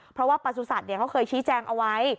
เพราะว่าปสุศัตริย์เค้าเคยชี้แจ้งเอาไว้